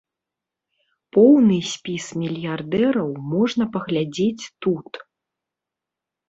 Поўны спіс мільярдэраў можна паглядзець тут.